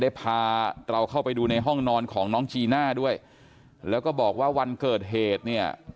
พาเราเข้าไปดูในห้องนอนของน้องจีน่าด้วยแล้วก็บอกว่าวันเกิดเหตุเนี่ย